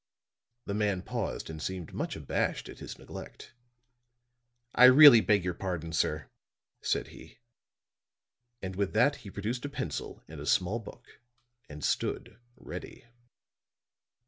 The man paused and seemed much abashed at his neglect. "I really beg your pardon, sir," said he. And with that he produced a pencil and a small book and stood ready.